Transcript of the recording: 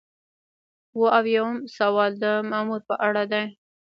اووه اویایم سوال د مامور په اړه دی.